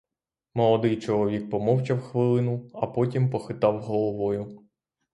Молодий чоловік помовчав хвилину, а потім похитав головою.